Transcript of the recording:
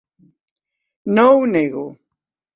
No ho nego.